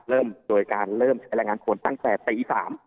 เริ่มโดยการเริ่มใช้แรงงานคนตั้งแต่ตี๓